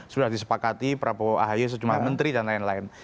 sudah disepakati prabowo ahy sejumlah menteri dan lain lain